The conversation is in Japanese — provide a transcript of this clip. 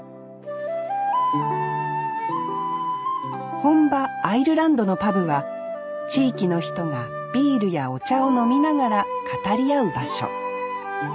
本場アイルランドのパブは地域の人がビールやお茶を飲みながら語り合う場所